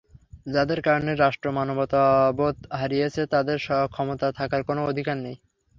যাঁদের কারণে রাষ্ট্র মানবতাবোধ হারিয়েছে, তাঁদের ক্ষমতায় থাকার কোনো অধিকার নেই।